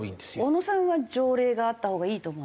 小野さんは条例があったほうがいいと思われますか？